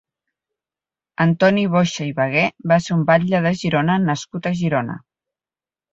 Antoni Boxa i Bagué va ser un batlle de Girona nascut a Girona.